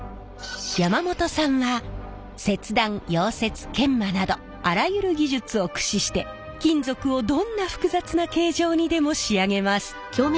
山本さんは切断溶接研磨などあらゆる技術を駆使して金属をどんな複雑な形状にでも仕上げます。